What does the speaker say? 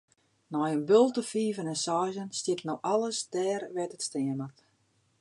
Nei in bulte fiven en seizen stiet no alles dêr wêr't it stean moat.